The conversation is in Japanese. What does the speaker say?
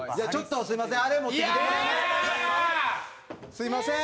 すいません。